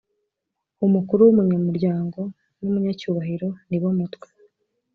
Umukuru w’umuryango n’umunyacyubahiro, ni bo mutwe,